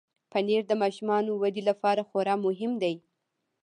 پنېر د ماشوم ودې لپاره خورا مهم دی.